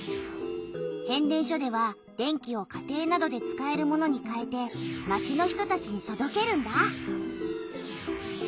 変電所では電気を家庭などで使えるものにかえて町の人たちにとどけるんだ。